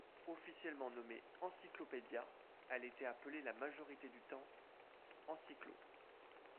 Officiellement nommée Encyclopédia, elle était appelée la majorité du temps Encyclo.